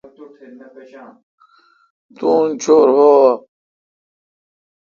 تو ان چھور بھو اؘ۔